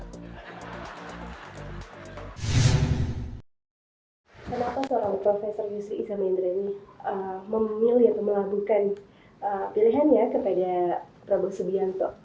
kenapa seorang prof yusre iza menderani memilih atau melakukan pilihannya kepada prabowo subianto